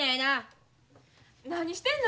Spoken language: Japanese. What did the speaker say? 何してんの？